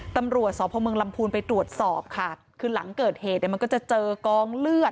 ตำรวจสพเมืองลำพูนไปตรวจสอบค่ะคือหลังเกิดเหตุเนี่ยมันก็จะเจอกองเลือด